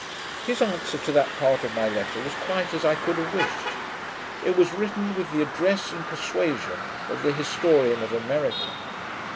His answer to that part of my letter was quite as I could have wished. It was written with the address and persuasion of the historian of America.